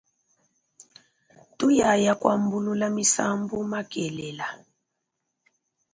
Tuyaya kuambulula misambu makelela.